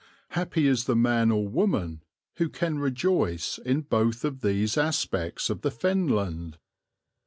Happy is the man or woman who can rejoice in both of these aspects of the Fenland.